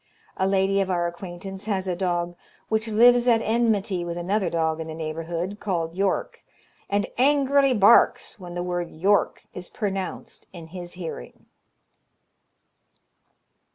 A lady of our acquaintance has a dog which lives at enmity with another dog in the neighbourhood, called York, and angrily barks when the word York is pronounced in his hearing.